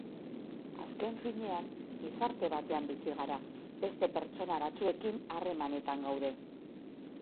Azken finean, gizarte batean bizi gara, beste pertsona batzuekin harremanetan gaude.